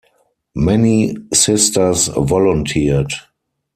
Many sisters volunteered.